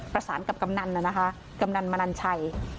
ประสานกับกำนันน่ะนะคะกำนันมนันชัย